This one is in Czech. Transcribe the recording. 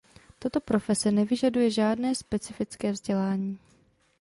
Tato profese nevyžaduje žádné specifické vzdělání.